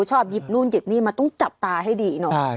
ชอบหยิบนู่นหยิบนี่มันต้องจับตาให้ดีเนอะ